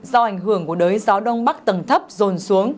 do ảnh hưởng của đới gió đông bắc tầng thấp rồn xuống